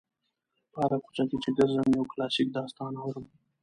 په هره کوڅه کې چې ګرځم یو کلاسیک داستان اورم.